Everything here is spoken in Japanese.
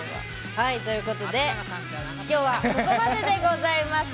はいということで今日はここまででございます。